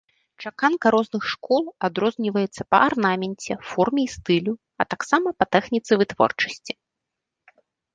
Чаканка розных школ адрозніваецца па арнаменце, форме і стылю, а таксама па тэхніцы вытворчасці.